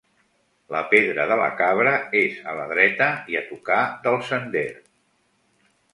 La Pedra de la Cabra és a la dreta i a tocar del sender.